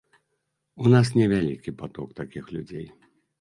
У нас не вялікі паток такіх людзей.